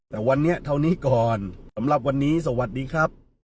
แต่วันนี้เท่านี้ก่อนสำหรับวันนี้สวัสดีครับ